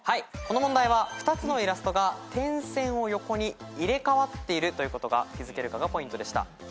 この問題は２つのイラストが点線を横に入れ替わっているということが気付けるかがポイントでした。